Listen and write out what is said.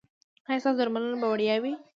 ایا ستاسو درملنه به وړیا وي؟